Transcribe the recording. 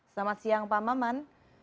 selamat siang pak maman